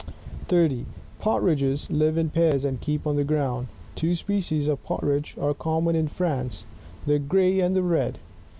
] 30. Partridges live in pairs, and keep on the ground. Two species of Partridge are common in France : the gray and the red.